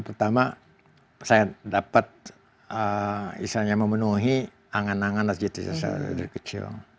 pertama saya dapat isinya memenuhi angan angan nasyidat saya sejak kecil